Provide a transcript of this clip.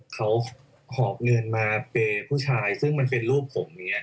เขาหอบเงินมาเปย์ผู้ชายซึ่งมันเป็นรูปผมอย่างนี้